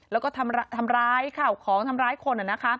แล้วก็ทำร้ายข้าวของทำร้ายคน